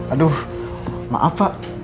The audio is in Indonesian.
aduh maaf pak